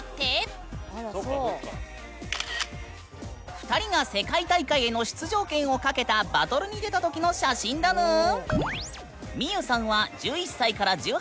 ２人が世界大会への出場権を懸けたバトルに出た時の写真だぬん！